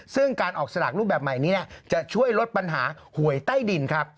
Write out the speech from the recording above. ซึ่งการออกสลากรูปแบบใหม่นี้จะช่วยลดปัญหาหวยใต้ดินครับ